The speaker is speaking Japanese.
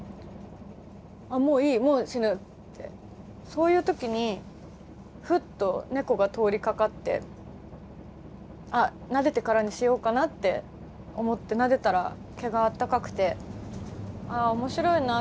そういう時にふっと猫が通りかかってあっなでてからにしようかなって思ってなでたら毛があったかくて「あ面白いな。